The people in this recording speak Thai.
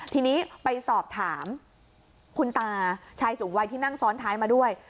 ทีนี้ไปสอบถามคุณตาชายสูงวัยที่นั่งซ้อนท้ายมาด้วย